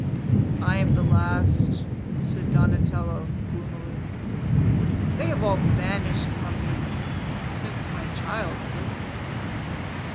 "I am the last," said Donatello gloomily. "They have all vanished from me, since my childhood.